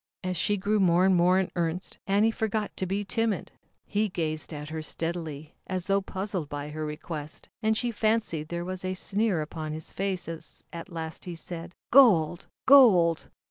As she grew more and more in earnest, Annie forgot to be timid. He gazed at her steadily, as though puzzled by her request, and she fancied there was a sneer upon his face as at last he said: "Gold! Gold!